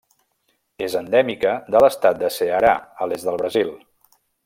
És endèmica de l'estat de Ceará, a l'est del Brasil.